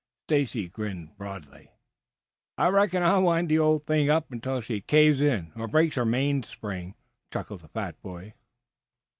Stacy grinned broadly. "I reckon I'll wind the old thing up until she caves in or breaks her mainspring," chuckled the fat boy.